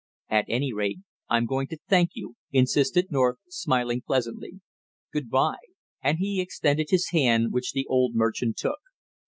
"At any rate, I'm going to thank you," insisted North, smiling pleasantly. "Good by," and he extended his hand, which the old merchant took.